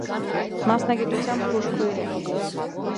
Մասնագիտությամբ բուժքույր է։